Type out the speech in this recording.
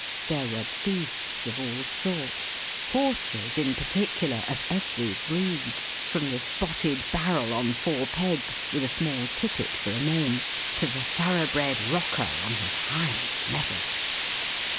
There were beasts of all sorts; horses, in particular, of every breed; from the spotted barrel on four pegs, with a small tippet for a mane, to the thoroughbred rocker on his highest mettle.